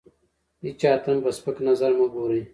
هېچا ته هم په سپک نظر مه ګورئ!